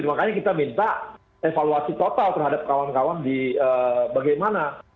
makanya kita minta evaluasi total terhadap kawan kawan bagaimana